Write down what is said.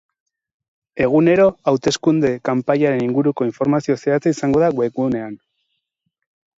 Egunero, hauteskunde kanpaiaren inguruko informazio zehatza izango da wegunean.